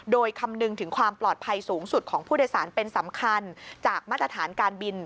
โดยคำนึงถึงความปลอดภัยสูงสุดของผู้โดยสารเป็นสำคัญจากมาตรฐานการบิน